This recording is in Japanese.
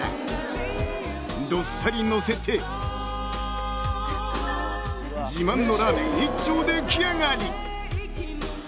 ［どっさりのせて自慢のラーメン一丁出来上がり！］